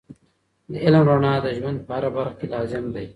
د علم رڼا د ژوند په هره برخه کې لازم دی.